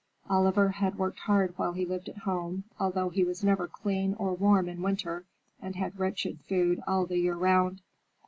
Oliver had worked hard while he lived at home, although he was never clean or warm in winter and had wretched food all the year round.